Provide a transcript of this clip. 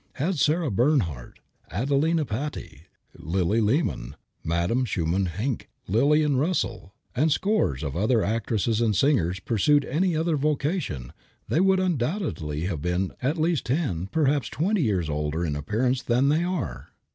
Had Sara Bernhardt, Adelina Patti, Lily Lehmann, Madame Schumann Heink, Lillian Russell, and scores of other actresses and singers pursued any other vocation they would undoubtedly have been at least ten, perhaps twenty years older in appearance than they are.